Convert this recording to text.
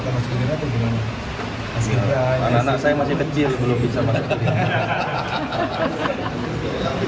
karena saya masih kecil belum bisa masuk gerindra